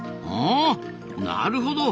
あなるほど。